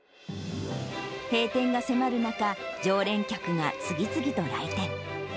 閉店が迫る中、常連客が次々と来店。